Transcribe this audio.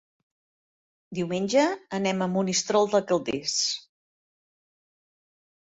Diumenge anem a Monistrol de Calders.